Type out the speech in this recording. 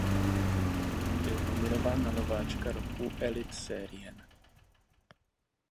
Byl nominován na nováčka roku Elitserien.